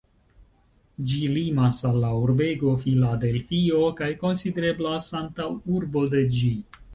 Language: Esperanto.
Ĝi limas al la urbego Filadelfio kaj konsidereblas antaŭurbo de ĝi.